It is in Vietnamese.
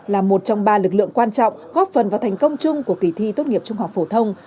là một trong ba lực lượng quan trọng góp phần vào thành công chung của kỳ thi tốt nghiệp trung học phổ thông